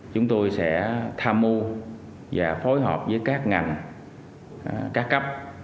chúng tôi sẽ tham mưu và phối hợp với các ngành các cấp